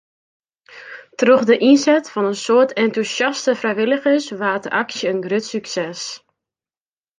Troch de ynset fan in soad entûsjaste frijwilligers waard de aksje in grut sukses.